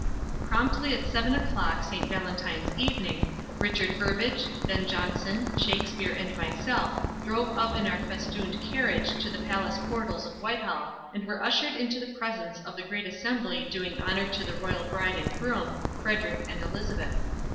Promptly at seven o'clock St. Valentine's evening, Richard Burbage, Ben Jonson, Shakspere and myself drove up in our festooned carriage to the palace portals of Whitehall, and were ushered into the presence of the great assembly doing honor to the royal bride and groom, Frederick and Elizabeth.